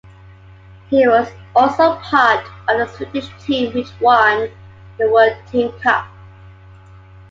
He was also part of the Swedish team which won the World Team Cup.